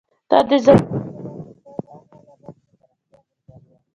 دا د زرغون هلال په پراخه لمن کې پراختیا موندلې ده.